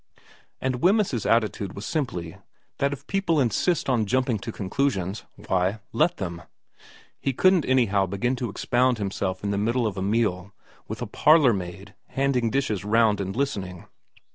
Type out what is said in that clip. And Wemyss's attitude was simply that if people insist on jumping at conclusions, why, let them. He couldn't anyhow begin to expound himself in the middle of a meal, with a parlourmaid handing dishes round and listening.